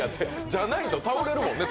じゃないと倒れるもんね。